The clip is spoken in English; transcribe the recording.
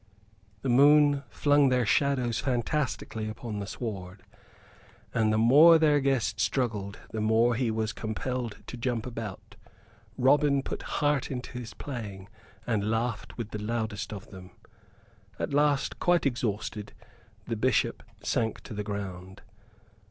The moon flung their shadows fantastically upon the sward, and the more their guest struggled the more he was compelled to jump about. Robin put heart into his playing, and laughed with the loudest of them. At last, quite exhausted, the Bishop sank to the ground.